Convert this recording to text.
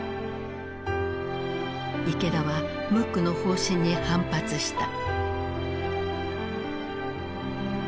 池田はムックの方針に反発した。